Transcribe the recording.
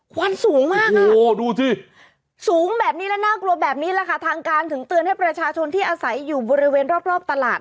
ควันสูงมากอ่ะดูสิสูงแบบนี้และน่ากลัวแบบนี้แหละค่ะทางการถึงเตือนให้ประชาชนที่อาศัยอยู่บริเวณรอบตลาด